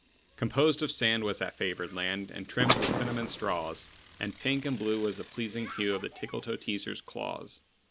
Composed of sand was that favored land, And trimmed with cinnamon straws; And pink and blue was the pleasing hue Of the Tickletoeteaser's claws.